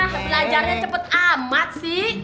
belajarnya cepet amat sih